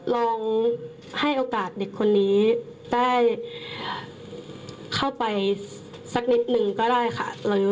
ลองให้โอกาสเด็กคนนี้ได้เข้าไปสักนิดนึงก็ได้ค่ะ